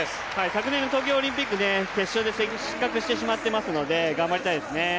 昨年の東京オリンピック、決勝で失格してしまっていますので、頑張りたいですね。